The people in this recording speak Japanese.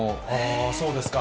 そうですか。